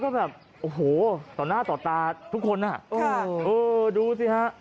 ก็แบบโอ้โหตอนหน้าต่อตาทุกคนนะดูซี่ฮะ